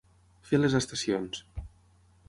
Fer les estacions.